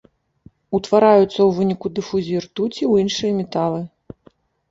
Утвараюцца ў выніку дыфузіі ртуці ў іншыя металы.